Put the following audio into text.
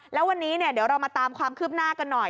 แล้ววันนี้เดี๋ยวเรามาตามความคืบหน้ากันหน่อย